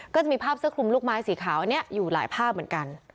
ก็จะมีภาพเสื้อคลุมลูกไม้สีขาวอันนี้อยู่หลายภาพเหมือนกัน